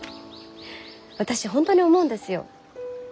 私本当に思うんですよ。